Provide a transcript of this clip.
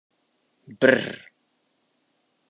Brrr!